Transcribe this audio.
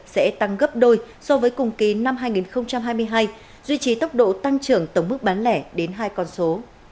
sẽ tăng gấp đôi so với cùng kỳ năm hai nghìn hai mươi hai duy trì tốc độ tăng trưởng tổng mức bán lẻ đến hai con số